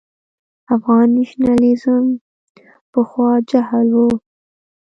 افغان نېشنلېزم پخوا جهل و.